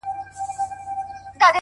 • زما په لستوڼي کي ښامار لوی که,